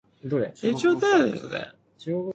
錢一多就週身咬喇